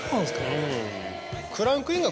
うん。